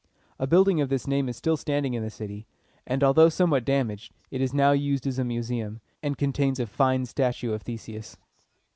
A building of this name is still standing in the city; and, although somewhat damaged, it is now used as a museum, and contains a fine statue of Theseus.